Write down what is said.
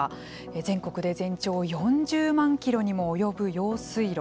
全国で全長４０万キロにも及ぶ用水路。